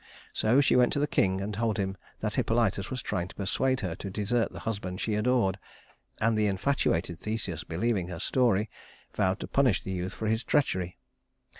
So she went to the king and told him that Hippolytus was trying to persuade her to desert the husband she adored; and the infatuated Theseus, believing her story, vowed to punish the youth for his treachery.